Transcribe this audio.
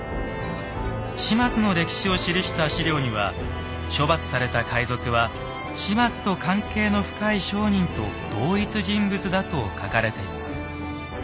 島津の歴史を記した史料には処罰された海賊は島津と関係の深い商人と同一人物だと書かれています。